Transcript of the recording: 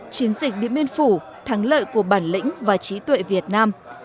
chiến dịch điện biên phủ thắng lợi của bản lĩnh và trí tuệ việt nam